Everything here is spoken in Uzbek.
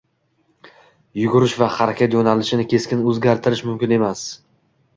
Yugurish va harakat yo‘nalishini keskin o‘zgartirish mumkin emas.